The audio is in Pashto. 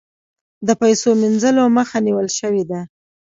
د پیسو مینځلو مخه نیول شوې ده؟